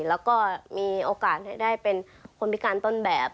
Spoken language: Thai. แล้วก็มีโอกาสได้เป็นคนพิการต้นแบบ